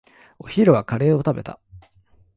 お昼はカレーを食べた。